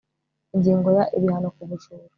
Ingingo ya Ibihano ku bujura